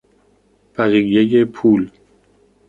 بقیهی پول